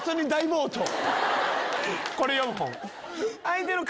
これ４本。